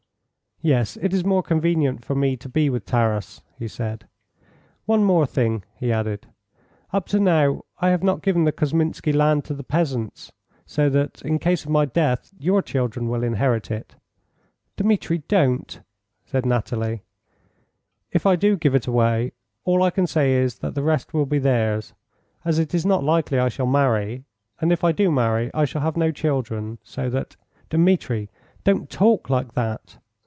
"Yes; it is more convenient for me to be with Taras," he said. "One thing more," he added; "up to now I have not given the Kousminski land to the peasants; so that, in case of my death, your children will inherit it." "Dmitri, don't!" said Nathalie. "If I do give it away, all I can say is that the rest will be theirs, as it is not likely I shall marry; and if I do marry I shall have no children, so that " "Dmitri, don't talk like that!"